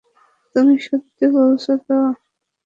তুমি সত্যি বলছো তো?